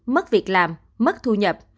mất việc làm mất thu nhập